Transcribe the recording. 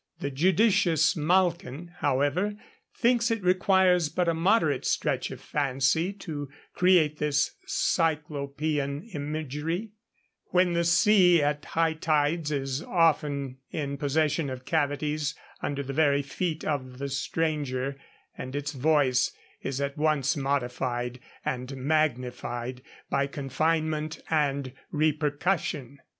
The judicious Malkin, however, thinks it requires but a moderate stretch of fancy to create this cyclopean imagery, when the sea at high tides is often in possession of cavities under the very feet of the stranger, and its voice is at once modified and magnified by confinement and repercussion.